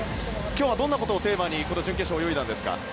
今日はどんなことをテーマにこの準決勝を泳いだんですか。